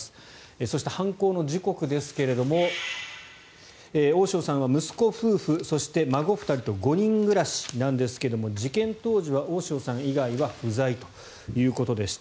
そして、犯行の時刻ですが大塩さんは息子夫婦そして孫２人と５人暮らしなんですが事件当時は大塩さん以外は不在ということでした。